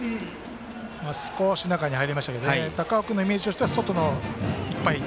少し中に入りましたけどね高尾君のイメージとしては外のいっぱい。